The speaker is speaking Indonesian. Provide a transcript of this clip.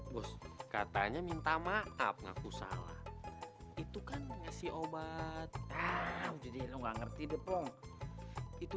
bos katanya minta maaf ngaku salah itu kan ngasih obat jadi lo nggak ngerti deh plong itu